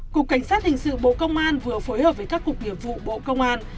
cục cảnh sát hình sự bộ công an vừa phối hợp với các cục nghiệp vụ bộ công an